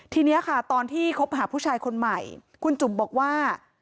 ทีนี้ค่ะตอนที่คบหาผู้ชายคนใหม่คุณจุ๋มบอกว่า